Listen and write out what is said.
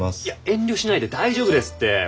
いや遠慮しないで大丈夫ですって。